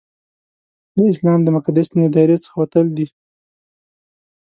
د اسلام د مقدس دین له دایرې څخه وتل دي.